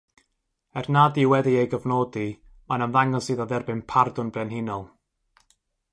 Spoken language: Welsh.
Er nad yw wedi ei gofnodi, mae'n ymddangos iddo dderbyn Pardwn Brenhinol.